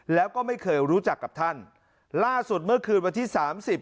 แล้วก็ไม่เคยรู้จักกับท่านล่าสุดเมื่อคืนวันที่สามสิบ